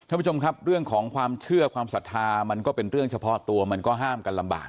ท่านผู้ชมครับเรื่องของความเชื่อความศรัทธามันก็เป็นเรื่องเฉพาะตัวมันก็ห้ามกันลำบาก